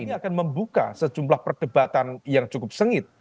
ini akan membuka sejumlah perdebatan yang cukup sengit